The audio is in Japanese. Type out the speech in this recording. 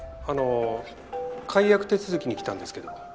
あの解約手続きに来たんですけども。